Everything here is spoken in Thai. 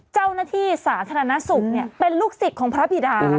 เจ้าหน้าที่สาธารณสุขเป็นลูกศิษย์ของพระบิดา